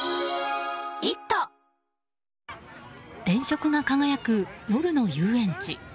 電飾が輝く夜の遊園地。